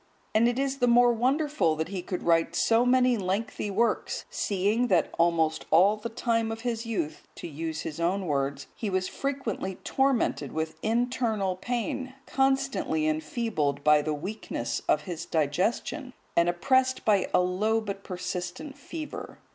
And it is the more wonderful that he could write so many lengthy works, seeing that almost all the time of his youth, to use his own words, he was frequently tormented with internal pain, constantly enfeebled by the weakness of his digestion, and oppressed by a low but persistent fever.